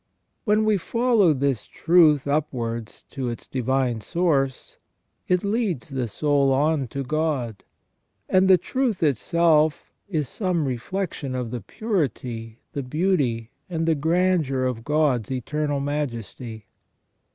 When we follow this truth upwards to its divine source, it leads the soul on to God, and the truth itself is some reflection of the purity, the beauty, and the grandeur of God's Eternal Majesty.